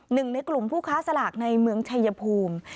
หนึ่งในกลุ่มผู้ค้าสลากในเมืองชายภูมิ